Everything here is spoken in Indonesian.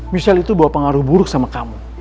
michelle itu bawa pengaruh buruk sama kamu